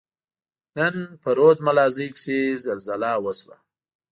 نن په رود ملازۍ کښي زلزله وشوه.